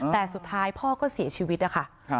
แต่สุดท้ายพ่อก็เสียชีวิตนะคะ